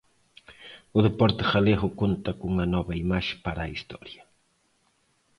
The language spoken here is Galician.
O deporte galego conta cunha nova imaxe para a historia.